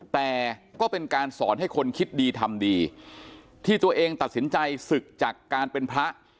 แต่ก็เป็นการสอนให้คนคิดดีทำดีที่ตัวเองตัดสินใจศึกจากการเป็นพระ